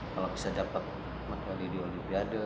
kalau bisa dapat medali di olimpiade